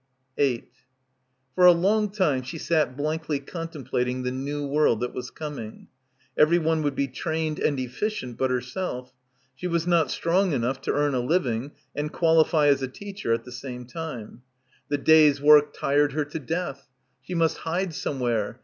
8 For a long time she sat blankly contemplating the new world that was coming. Everyone would be trained and efficient but herself. She was not strong enough to earn a living and qualify as a teacher at the same time. The day's work tired her to death. She must hide somewhere.